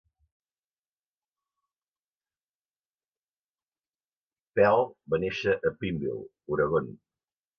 Pearl va néixer a Prineville, Oregon.